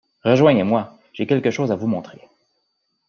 Rejoignez-moi, j’ai quelque chose à vous montrer.